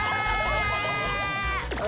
あ？